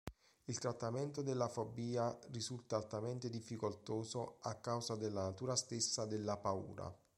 Il trattamento della fobia risulta altamente difficoltoso a causa della natura stessa della paura.